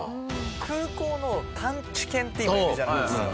空港の探知犬って今、いるじゃないですか。